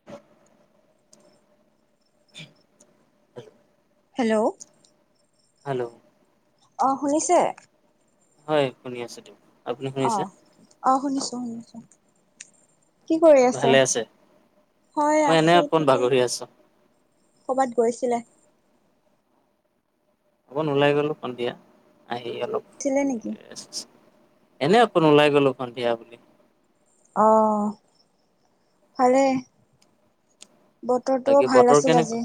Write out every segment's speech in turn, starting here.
[inaudible] [unintelligible] Hello hello অ শুনিছে। হয় শুনি আছো দিয়ক। আপুনি শুনিছে অঁ অঁ শুনিছো শুনিছো। কি কৰি আছে হয় মই এনে আছো অকণ ঠিকে। বাগৰি আছো ক'ৰবাত গৈছিলে। অকন ওলাই গলো সন্ধিয়া, আহি অলপ- ছিলে নেকি? এনে অকন ওলাই গলো সন্ধিয়া বুলি। অঁ, ভালে। বতৰটোও বাকী ভাল বতৰ আছিল কেনেকুৱা আজি।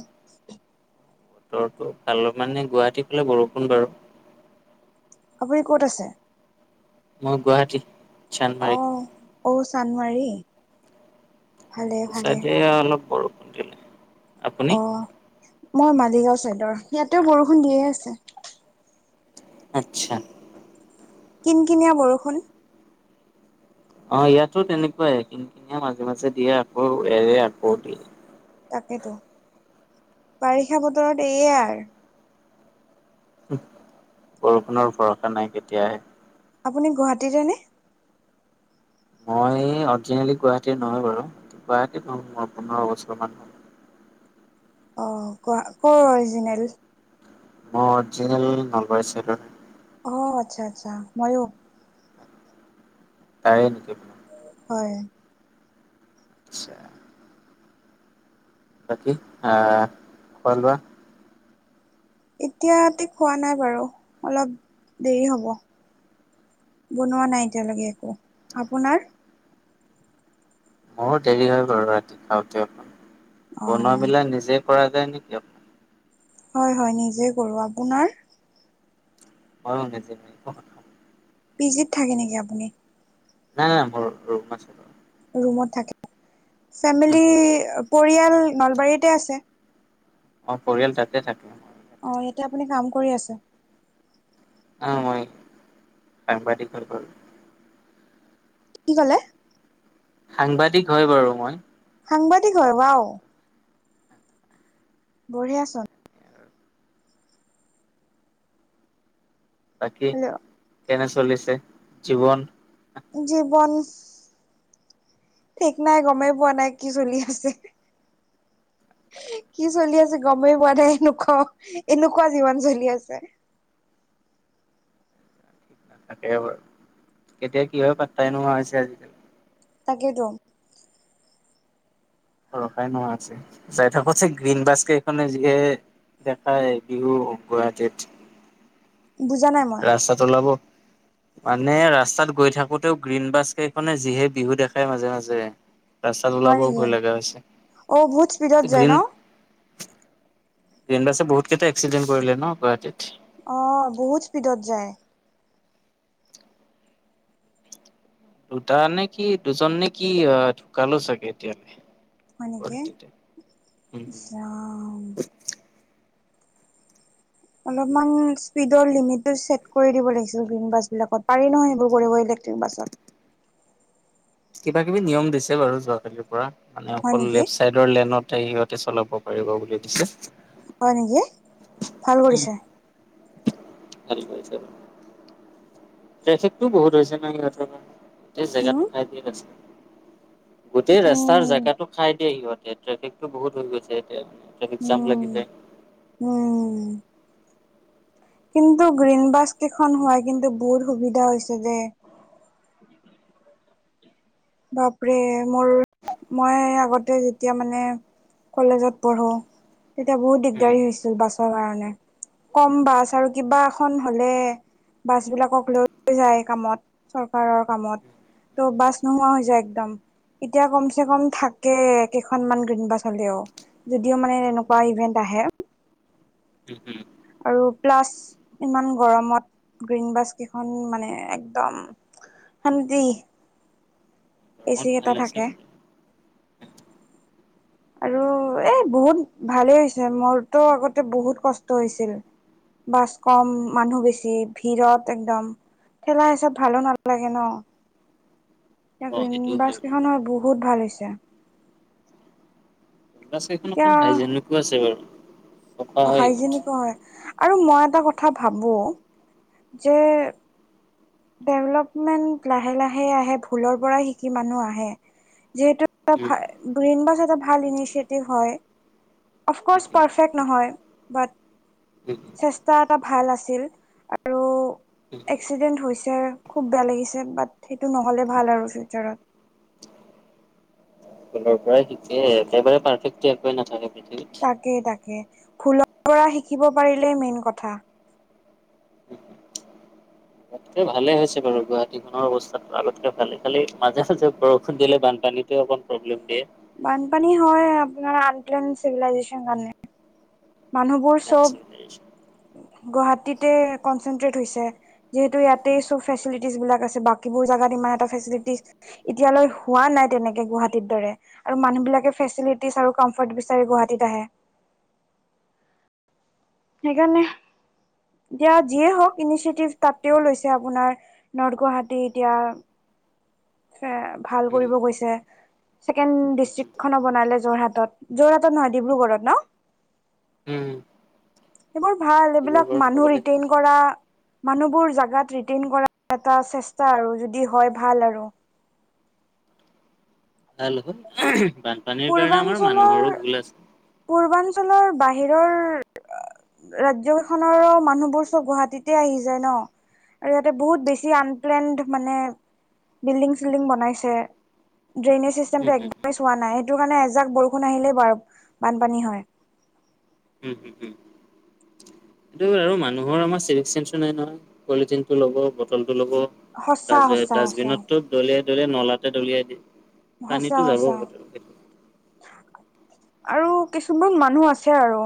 বতৰটো ভাল মানে গুৱাহাটীৰ ফালে বৰষুণ বাৰু। আপুনি ক'ত আছে? মই গুৱাহাটী। চানমাৰি অ ঔ চান্দমাৰী। ভালে ত ভালে চাইতে অলপ বৰষুণ দিলে। আপুনি অ মই মালিগাঁওৰ চাইদৰ ইয়াতেও বৰষুণ দিয়ে আছে। আতছা। কিন কিনীয়া বৰষুণ। অ', ইয়াতো তেনেকুৱাই কিন কীনিয়া মাজে- মাজে দিয়ে আকৌ এৰে আকৌ দিয়ে। তাকেতো, বাৰিষা বতৰত এয়ে আৰ। বৰষুণৰ ভৰষা নাই কেতিয়া আহে। আপুনি গুৱাহাটীৰে নে মই অৰিজিনেলি গুৱাহাটীৰ নহয় বাৰু, গুৱাহাটীত মোৰ পোন্ধৰ বছৰ মান। অঁ কোৱা কৰ অৰিজিনেল। মই অৰিজিনেল নলবাৰী চাইতৰ হয়। অ আচ্ছা আচ্ছা মইয়ো তাৰে নেকি? হয়। আচ্ছা। বাকী আ খোৱা লোৱা। এতিয়া [unintelligible] খোৱা নাই বাৰু, অলপ দেৰি হ'ব। বনোৱা নাই এতিয়ালেকে একো, আপোনাৰ। মোৰো দেৰি হয় বাৰু ৰাতি খাওঁতে অকন, অ বনোৱা মেলা নিজে কৰা যায় নেকি হয়- হয়, নিজে কৰোঁ আপোনাৰ। মইও নিজে [unintelligible] পিজিত থাকে নেকি আপুনি। নাই [unintelligible] ৰুমত থাকে, উম ফেমিলি হুম, পৰিয়াল নলবাৰীতে আছে। অ', পৰিয়াল তাতে থাকে মোৰ। অ', ইয়াতে আপুনি কাম কৰি আছে। উম, মই সাংবাদিকৰ [unintelligible] কি ক'লে। সাংবাদিক হয় বাৰু মই। সাংবাদিক হয় উৱাও। বঢ়িয়া চোন। বাকী হেল্ল' কেনে চলিছে জীৱন। জীৱন ঠিক নাই গমেই পোৱা নাই কি চলি আছে। কি চলি আছে গমেই পোৱা নাই, [unintelligible] এনেকুৱা জীৱন চলি আছে। তাকেই বাৰু। কেতিয়া কি হয় পাত্তাই নোহোৱা হৈছে আজি-কালি। তাকেইটো। ৰখাই নোহোৱা আছে। যাই থাকো ছবতচে গ্ৰীণবাছ কেইখনে যিহে দেখায় বিহু গুৱাহাটীত। বুজা নাই মই। জলাব মানে ৰাস্তাত গৈ থাকোতেও গ্ৰীণ বাছ কেইখনে যিহে বিহু দেখাই মাজে-মাজে। ৰাস্তাত হয় ওলাবও নেকি ভয় লগা অ বহুত স্পীডত হৈছে। যায় ন গ্ৰীণ গ্ৰীণ বাছে বহুত কেইটা এক্সিডেণ্ট কৰিলে ন গুৱাহাটীত। অ বহুত স্পীডত যায়। দুটা নে কি দুজন নে কি আ ঢুকালেও চাগে এতিয়ালে। হয় নেকি? উম ইছ হম ৰাম! অলপমান স্পীডৰ লিমিটটো ছেট কৰি দিব লাগিছিল গ্ৰীণ বাছবিলাকত। পাৰি নহয় সেইবোৰ কৰিব ইলেক্ট্ৰিক বাছত। কিবা-কিবি নিয়ম দিছে বাৰু যোৱাকালিৰ পৰা মানে হয় অকল নেকি লেফট চাইড ৰ লেনতে সিহঁতে চলাব পাৰিব বুলি দিছে। হয় নেকি? ভাল উম কৰিছা। [unintelligible] ট্ৰেফিকটো বহুত হৈছে না সিহঁতৰ কাৰণে গোটেই উম জেগাটো খাই দিয়ে [unintelligible] গোটেই ৰাস্তাৰ উম জেগাটো খাই দিয়ে সিহঁতে ট্ৰেফিকটো বহুত হৈ গৈছে এতিয়া মানে। ট্ৰেফিক জাম উম লাগি যায়। উম, কিন্তু গ্ৰীণ বাছকেইখন হোৱাই কিন্তু বহুত সুবিধা হৈছে দে। বাপৰে মৰ মই আগতে যেতিয়া মানে কলেজত পঢ়ো তেতিয়া বহুত উম দিগদাৰী হৈছিল বাছৰ কাৰণে। কম বাছ আৰু কিবা এখন হ'লে বাছবিলাকক লৈ [unintelligible] যায় কামত চৰকাৰৰ কামত, ত' বাছ নোহোৱা হৈ যায় একদম এতিয়া কম চে কম থাকে কেইখনমান গ্ৰীণবাছ হলেও। যদিও মানে [unintelligible] এনেকুৱা ইভেন্ট আহে উম উম আৰু প্লাছ ইমান গৰমত গ্ৰীণবাছ কেইখন মানে একদম শান্তি। এ চি গৰমত ভাল এটা হৈছে থাকে। আৰু এ বহুত ভালেই হৈছে মৰতো আগতে বহুত কষ্ট হৈছিল বাছ কম মানুহ বেছি ভিৰত একদম থেলা হেঁচাত ভালো নালাগে ন' এতিয়া বাৰু গ্ৰীণ অ সেইটো বাছ কেইখনৰ হয় বহুত ভাল হৈছে। বাৰু বাছ সেইখন অকন হাইজেনিকো আছে বাৰু। চফা অ, হয় ইহঁত হাইজেনিকো হয় আৰু মই এটা কথা ভাবো যে ডেভলপমেণ্ট লাহে - লাহেই আহে ভুলৰ পৰা শিকি মানুহ আহে। যিহেতু উম এটা গ্ৰীণ বাছ এটা ভাল ইনিচিয়েটিভ হয়। উম অফক'ৰ্চ উম পাৰফেক্ট নহয়, বাট উম উম। চেষ্টা এটা ভাল আছিল আৰু এক্সিডেণ্ট হৈছ ছে খুব বেয়া লাগিছে বাট সেইটো নহ'লে ভাল আৰু ফিউচাৰত। কৰ পৰাই শিকে একেবাৰে পাৰফেক্টো একোৱেই নাথাকে পৃথিৱীত। তাকে- তাকে ভুলৰ পৰা শিকিব পাৰিলেই মেইন কথা। আগতকে ভালে হৈছে বাৰু গুৱাহাটীখনৰ অৱস্থা আগতকে ভালে খালি মাজে- মাজে বৰষুণ দিলে বানপানীটোয়ে অকল প্ৰব্লেম দিয়ে। বানপানী হয় আপোনাৰ আনপ্লেন চিভিলাইজেচন কাৰণে। মানুহবোৰ চব নেচাৰেল গুৱাহাটীতে কনচেনট্ৰেট হৈছে। যিহেতু ইয়াতেই চব ফেচিলিটিজ বিলাক আছে বাকিবোৰ জাগাত ইমান এটা ফেচিলিটিজ ইতিয়ালৈ হোৱা নাই তেনেকে গুৱাহাটীৰ দৰে। আৰু মানুহ বিলাকে ফেচিলিটিজ আৰু কমফৰ্ট বিচাৰি গুৱাহাটীত আহে। সেইকাৰণে দিয়া যিয়ে হওক ইনিচিয়েটিভ তাতেও লৈছে আপোনাৰ নৰ্থ গুৱাহাটী এতিয়া সে ভাল উম কৰিব গৈছে। ছেকেণ্ড উম ডিষ্ট্ৰিক খন বনালে যোৰহাটত- যোৰহাটত নহয় ডিব্ৰুগড়ত ন? উম, এইবোৰ ভাল সেইবোৰ এইবিলাক বাৰু মানুহ থবলৈ গৈ ৰিটেইন আছে কৰা মানুহবোৰ জাগাত ৰিটেইন কৰা এটা চেষ্টা আৰু যদি হয় ভাল আৰু। [unintelligible] বানপানীৰ কাৰণে আমাৰ পূৰ্বাঞ্চলৰ মানুহৰো ভুল আছে। পূৰ্বাঞ্চলৰ বাহিৰৰ ৰাজ্য কেইখনৰ মানুহবোৰ চব গুৱাহাটীতে আহি যায় ন? আৰু ইয়াতে বহুত বেছি আনপ্লেনড মানে বিল্ডিং- চিল্ডিং বনাইছে। ড্ৰেইনে উম চিষ্টেমটো হম একদমে হম চোৱা নাই সেইটো কাৰণে এজাক বৰষুণ আহিলেই বা বানপানী হয়। [unintelligible] এইটোৱে আৰু মানুহৰ আমাৰ চিভিক চেঞ্চো নাই নহয় পলিথিনটো ল'ব বটলটো ল'ব সঁচা ডাযে - সঁচা সঁচা ডাষ্টবিনতটো দলিয়াই-দলিয়াই নলাতে দলিয়াই দিয়ে। [unintelligible] পানীতো সঁচা- যাব সঁচা। বটল সেইটো। আৰু কিছুমান মানুহ আছে আৰু।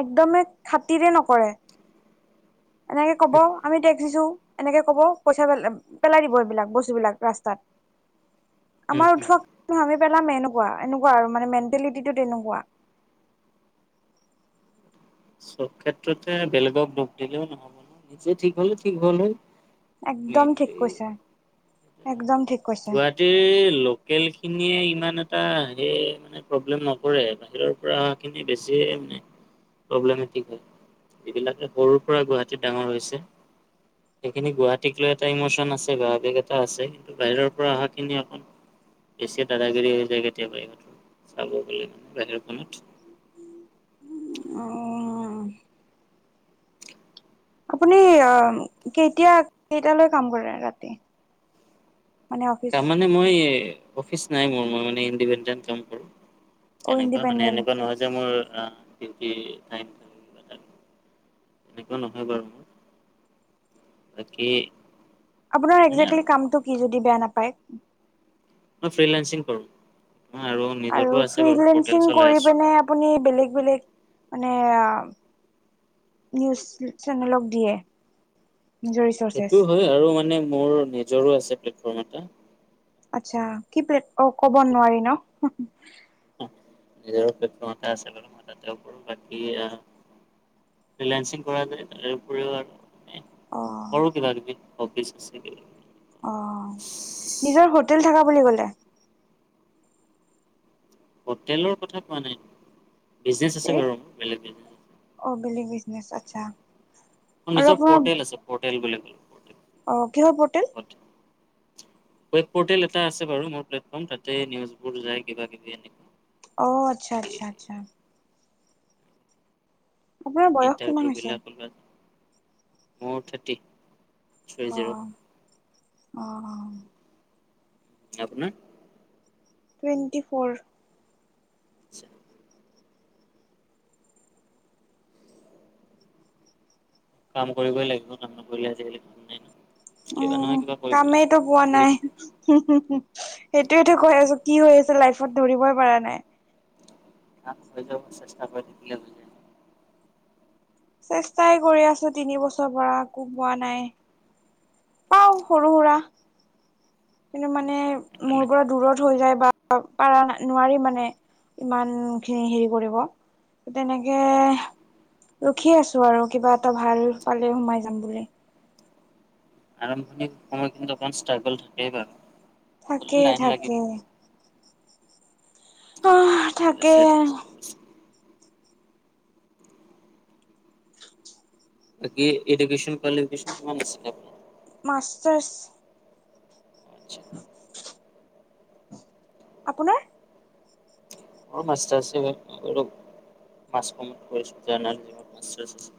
একদমে খাতিৰে নকৰে। এনেকে কব আমি টেক্স দিছো এনেকে কব পইচা পেলাই দিব এইবিলাক বস্তু বিলাক ৰাস্তাত। উম, আমাৰ হম। উঠোৱা আমি পেলাম এনেকুৱা এনেকুৱা আৰু মানে মেণ্টেলিটি তেনেকুৱা। চব ক্ষেত্ৰতে বেলেগক দুখ দিলেও নহ'ব ন' নিজে ঠিক হলে ঠিক হল হয়। একদম ঠিক মেইনলি কৈছা একদম ঠিক। কৈছে। গুৱাহাটীৰ লোকেল খিনিয়ে ইমান এটা হেৰি এ প্ৰব্লেম নকৰে বাহিৰৰ পৰা অহা খিনি বেছিয়ে মানে প্ৰব্লেমে ঠিক হে, যিবিলাক সৰুৰ পৰা গুৱাহাটীত ডাঙৰ হৈছে। সেইখিনি গুৱাহাটীক লৈ এটা ইমচন আছে বা আবেগ এটা আছে। কিন্তু বাহিৰৰ পৰা অহা কিনি আকৌ বেছি দাদাগিৰি হৈ যায় কেতিয়াবা ইহঁতৰ চাব গলে মানে বাহিৰাখনত অ। কাম কেতিয়া কেইটালৈ কাম কৰে ৰাতি মানে অফিচ না মইয়ে অফিছ নাই মোৰ, মই মানে ইন্দিপেন্দেন কাম কৰোঁ। অ এনেকুৱা মানে ইণ্ডিপেণ্ডেণ্ট এনেকুৱা নহয় যে মোৰ আ ডিউটি নাই [unintelligible] এনেকুৱা নহয় বাৰু মোৰ। তাকে আপোনাৰ একজেকেলি কামতো কি? যদি বেয়া নাপায়। মই ফ্ৰে লাঞ্চিং কৰো আৰু নিজৰো আছে বাৰু ফ্ৰিলেন্সিং পৰ্টেল চলাই কৰি আছ- পিনে আপুনি বেলেগ বেলেগ মানে আ নিউজ চেনেলক দিয়ে, নিজৰ ইচ্ছ- সেইটোও হয় আৰু মানে মোৰ নিজৰো আছে প্লেটফৰ্ম এটা। আত্চ্ছা কি প্লেট অ কব নোৱাৰি ন। নিজৰে প্লেটফৰ্ম এটা আছে বাৰু মই তাতে কৰোঁ বাকী আ- ৰিলাইসিং কৰা যায় তাৰে উপৰিও অৰ অ কৰো কিবা কিবি অফিচ আছিলেই ্ অ নিজৰ হোটেল থকা বুলি ক'লে? হোটেলৰ কথা কোৱা নাই বিজনেচ আছে এ বাৰু মোৰ বেলেগহে অ বেলেগ বিগনেছ আত্চ্ছা। নিজৰ পৰ্টেল আছে পৰ্টেল বুলি ক পৰ্টেল অ কিহৰ ৰ্পটেল? [unintelligible] ৱেব ৰ্পটেল এটা আছে বাৰু মোৰ প্লেটফৰ্ম তাতে নিউজবোৰ যায় কিবা কিবি এনেকুৱাই। অ আত্চ্ছা আত্চ্ছা আত্চ্ছা। আপোনাৰ বয়স ইণ্টাৰভিউ কিমান হৈছে? বিলাক ওলাই মোৰ থাৰ্টি। থ্ৰী অ জিৰ' অ। আপোনাৰ? Twenty four. আচ্ছা। কাম কৰিবই লাগিব নকৰিলে আজিকালি কোনো নাই। কিবা উম নহয় কিবা কৰিবই কামেই ত পোৱা নাই। লাগিব। হু হু হু সেইটোৱেতো কৈ আছো কি হৈ আছে লাইফত ধৰিবই পৰা নাই। কাম হৈ যাব চেষ্টা কৰি থাকিলে বুজে। চেষ্টাই কৰি আছো তিনি বছৰ পৰা একো পোৱা নাই। পাও সৰু সুৰা কিন্তু মানে মোৰ সেইকাৰণে পৰা দূৰত হৈ যায় বা পাৰা নোৱাৰি মানে ইমান খিনি হেৰি কৰিব। তেনেকে ৰখি আছো আৰু কিবা এটা ভাল পালে সোমাই যাম বুলি। আৰম্ভণিৰ সময়খিনিত অকমান ষ্ট্ৰাগল থাকে বাৰু। থাকে পিছলে লাইন লাগিব থাকে। আহ। থাকে চে [unintelligible] বাকী এডুকেশ্বন কোৱালিফিকেচন কিমান আছিলে আপোনাৰ? মাষ্টাৰছ। আচ্ছা [inaudible] আপোনাৰ? অ মাষ্টাৰছ [unintelligible]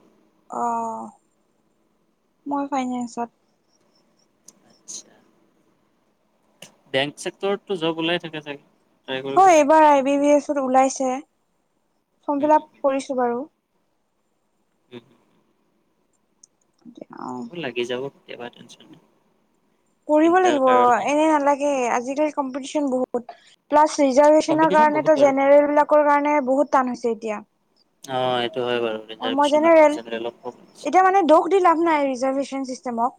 অঁ, মই ফাইনেন্সত। আচ্ছা বেংক চেক্টৰতটো জব ওলায়ে থাকে চাগে। ট্ৰাই কৰিব হয় লাগে এইবাৰ আই বি বি এছত ওলাইছে। ফৰ্ম উম ফিলাপ হম কৰিছোঁ বাৰু। উম। অঁ। লাগি যাব কেতিয়াবা টেনচন নাই। পঢ়িব চিন্তাৰ লাগিব কাৰণ নাই এনে নালাগে আজিকালি কম্পিটিচন বহুত। প্লাছ ৰিজাৰ্ভেচনৰ কম্পিটিশ্যন বহুত কাৰণেটো বাৰু জেনেৰেল বিলাকৰ কাৰণে বহুত টান হৈছে এতিয়া। অঁ এইটো হয় বাৰু আৰু মই ৰিজাৰ্ভেচনৰ জেনেৰেল কনচেপৰ ফলত খুব এতিয়া মানে দোষ দি লাভ নাই ৰিজাৰ্ভেচন চিষ্টেমক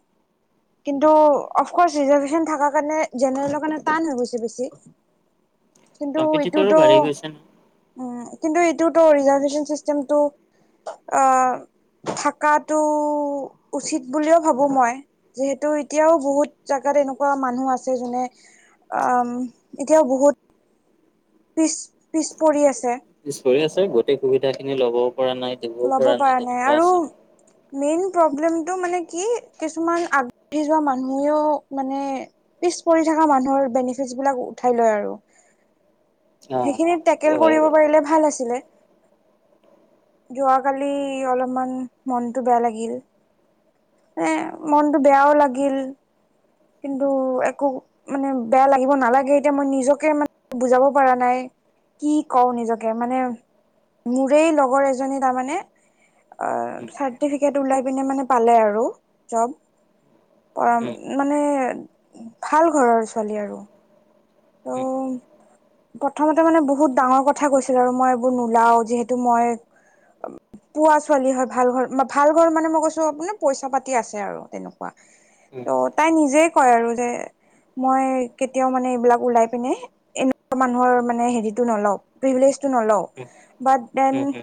কিন্তু হম অফ কৰ্চ ৰিজাৰ্ভেচন থাকা কাৰণে জেনেৰেলৰ কাৰণে টান হৈ গৈছে বেছি। কিন্তু এইটো কম্পিটিটৰো তো বাঢ়ি গৈছে ন। উম কিন্তু এইটো তো ৰিজাৰ্ভেচন চিষ্টেমটো অঁহ থাকাটো উচিত বুলিও ভাবোঁ মই। যিহেতু এতিয়াও বহুত জাগাত এনেকুৱা মানুহ আছে যোনে আম এতিয়াও বহুত পিছ পিছ পৰি আছে। পিছ পৰি আছে। গোটেই সুবিধা খিনি ল'বও পৰা নাই। দিবও ল'ব পৰা নাই। তেনেকুৱা আৰু আছে। মেইন প্ৰব্লেমটো মানে কি কিছুমান আগবাঢ়ি যোৱা মানুহেও মানে পিছ পৰি থকা মানুহৰ বেনিফিটছ বিলাক উঠাই লয় আৰু অ', সেইখিনি টেকেল সেইটো হয় কৰিব বাৰু। পাৰিলে ভাল আছিলে। যোৱাকালি অলপমান মনটো বেয়া লাগিল। এ মনটো বেয়াও লাগিল। কিন্তু একো মানে বেয়া লাগিব নালাগেই। এতিয়া মই নিজকে মানে বুজাব পৰা নাই। কি কওঁ নিজকে মানে মোৰেই লগৰ এজনী তাৰমানে আ উম, চাৰ্টিফিকেট উলাই পিনে মানে পালে আৰু জব উম, মানে ভালঘৰৰ ছোৱালী আৰু উম, প্ৰথমতে মানে বহুত ডাঙৰ কথা কৈছিল আৰু মই এইবোৰ নোলাও যিহেতু মই পুৱা ছোৱালী হয় ভাল ঘৰ ভাল ঘৰ মানে মই কৈছোঁ আপোনাৰ পইছা পাতি আছে আৰু তেনেকুৱা। উম, ত' তাই নিজে কয় আৰু যে মই কেতিয়াও মানে এইবিলাক ওলাই পিনেহ এনেকুৱা মানুহৰ মানে হেৰীটো নলওঁ প্ৰিভিলিয়েজটো নলওঁ। Um, but then um, um.